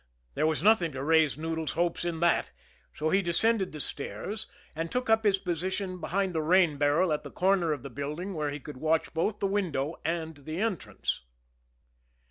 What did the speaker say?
There was nothing to raise Noodles' hopes in that, so he descended the stairs and took up his position behind the rain barrel at the corner of the building, where he could watch both the window and the entrance.